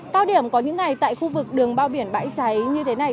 cao điểm có những ngày tại khu vực đường bao biển bãi cháy như thế này